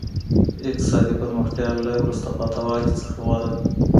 اقتصادي پرمختیا له وروسته پاته والي څخه غوره ده.